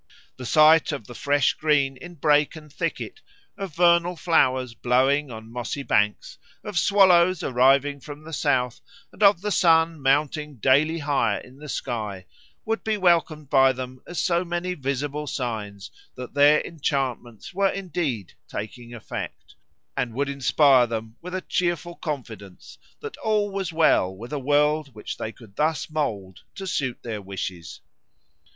The sight of the fresh green in brake and thicket, of vernal flowers blowing on mossy banks, of swallows arriving from the south, and of the sun mounting daily higher in the sky, would be welcomed by them as so many visible signs that their enchantments were indeed taking effect, and would inspire them with a cheerful confidence that all was well with a world which they could thus mould to suit their wishes.